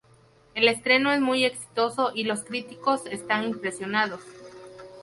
El estreno es muy exitoso y los críticos están impresionados.